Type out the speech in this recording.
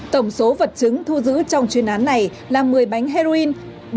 tổng số vật chứng thu giữ trong chuyên án này là một mươi bánh heroin